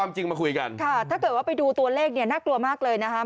ใช่ถ้าเกิดว่าไปดูตัวเลขนี่น่ากลัวมากเลย